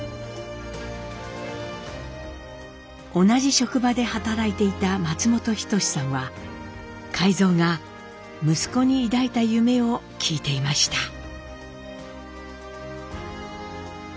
同じ職場で働いていた松本等さんは海蔵が息子に抱いた夢を聞いていました。